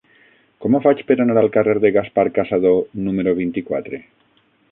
Com ho faig per anar al carrer de Gaspar Cassadó número vint-i-quatre?